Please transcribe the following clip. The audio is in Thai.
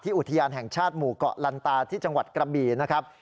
อุทยานแห่งชาติหมู่เกาะลันตาที่จังหวัดกระบี่นะครับ